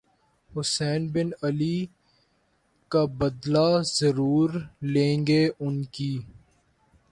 حسین بن علی رض کا بدلہ ضرور لیں گے انکی